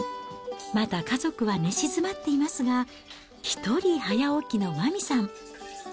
まだ家族は寝静まっていますが、１人早起きの麻美さん。